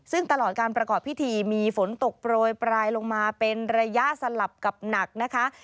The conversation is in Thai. ซึ่งตลอดการประกอบพิธีมีฝนตกโปรยปลายลงมาเป็นระยะสลับกับหนักนะคะ